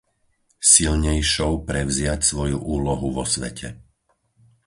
Silnejšou prevziať svoju úlohu vo svete.